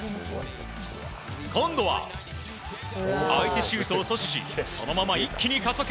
今度は相手シュートを阻止しそのまま一気に加速。